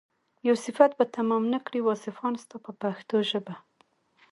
یو صفت به تمام نه کړي واصفان ستا په پښتو ژبه.